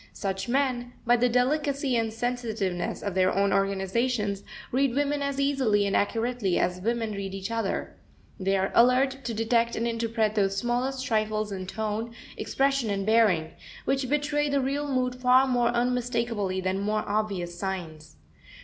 Such men, by the delicacy and sensitiveness of their own organizations, read women as easily and accurately as women read each other. They are alert to detect and interpret those smallest trifles in tone, expression, and bearing, which betray the real mood far more unmistakably than more obvious signs.